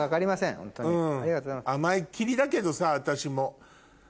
甘えっきりだけどさ私も。